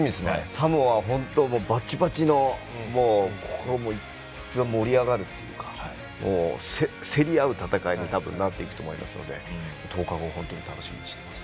サモア、バチバチのここが一番盛り上がるというか競り合う戦いになっていくと思いますので１０日後本当に楽しみにしています。